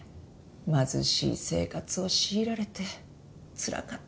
貧しい生活を強いられてつらかったでしょうね。